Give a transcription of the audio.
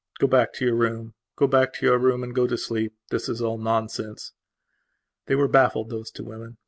"Go back to your room," he said. "Go back to your room and go to sleep. This is all nonsense." They were baffled, those two women.